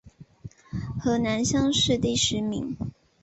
河南乡试第十名。